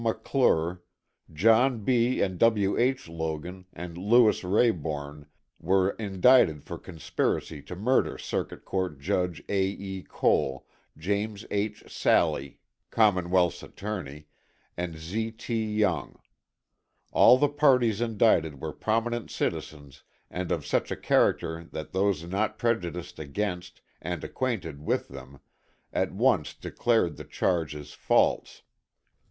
McClure, John B. and W. H. Logan and Lewis Rayborn, were indicted for conspiracy to murder Circuit Court Judge A. E. Cole, James H. Sallee, Commonwealth's Attorney, and Z. T. Young. All the parties indicted were prominent citizens and of such a character that those not prejudiced against, and acquainted with them, at once declared the charges false.